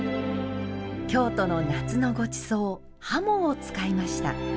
京都の夏のごちそう鱧を使いました。